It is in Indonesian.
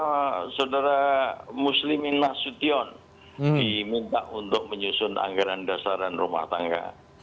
dan saudara muslimin nasution diminta untuk menyusun anggaran dasaran rumah tangga